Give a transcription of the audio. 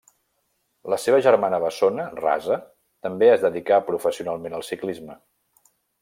La seva germana bessona Rasa també es dedicà professionalment al ciclisme.